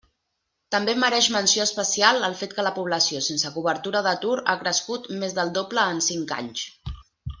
També mereix menció especial el fet que la població sense cobertura d'atur ha crescut més del doble en cinc anys.